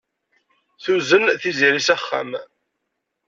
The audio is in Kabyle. Tuzen Tiziri s axxam.